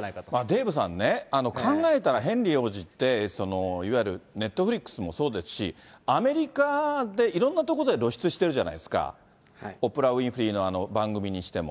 デーブさんね、考えたらヘンリー王子って、いわゆるネットフリックスもそうですし、アメリカでいろんなとこで露出してるじゃないですか、オプラ・ウィンフリーの番組にしても。